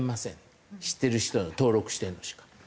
知ってる人の登録しているのしか。